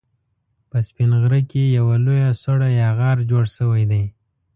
په سپين غره کې يوه لويه سوړه يا غار جوړ شوی دی